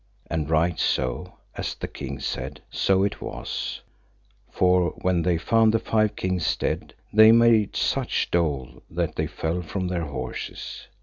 And right so as the king said, so it was; for when they found the five kings dead, they made such dole that they fell from their horses.